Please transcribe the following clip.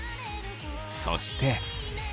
そして。